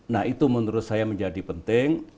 nah itu menurut saya menjadi penting